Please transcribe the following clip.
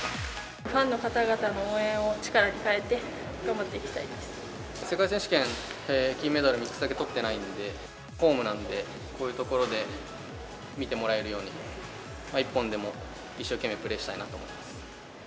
ファンの方々の応援を力に変世界選手権金メダル、ミックスだけとってないので、ホームなので、こういう所で見てもらえるように、１本でも一生懸命プレーしたいなと思います。